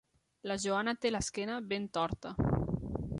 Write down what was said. La Joana té l'esquena ben torta.